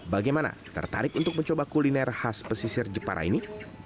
bagaimana tertarik untuk mencoba kuliner khas pesisir jepara ini